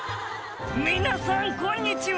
「皆さんこんにちは」